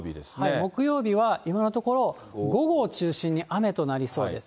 木曜日は今のところ、午後を中心に雨となりそうです。